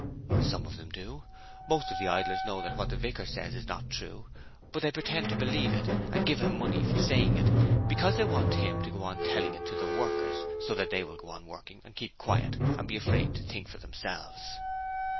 'Some of them do. Most of the idlers know that what the vicar says is not true, but they pretend to believe it, and give him money for saying it, because they want him to go on telling it to the workers so that they will go on working and keep quiet and be afraid to think for themselves.'